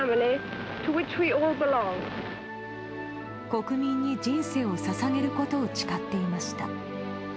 国民に人生を捧げることを誓っていました。